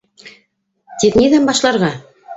Тик ниҙән башларға?